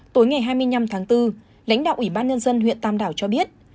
tối ngày hai mươi năm tháng bốn lãnh đạo ủy ban nhân dân huyện tam đảo cho biết